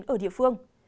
ở địa phương